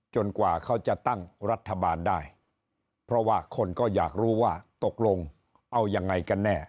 กว่าเขาจะตั้งรัฐบาลได้เพราะว่าคนก็อยากรู้ว่าตกลงเอายังไงกันแน่